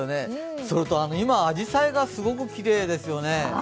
それと今、あじさいがすごくきれいですよね。